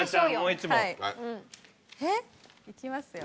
はいいきますよ。